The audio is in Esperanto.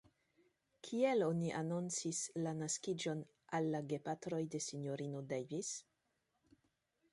Kiel oni anoncis la naskiĝon al la gepatroj de S-ino Davis?